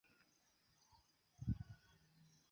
Mi akompanis ŝin okaze de fokkaptaj ekspedicioj.